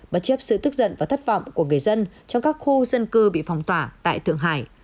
bất chấp sự tức giận và thất vọng của người dân trong các khu dân cư bị phong tỏa tại thượng hải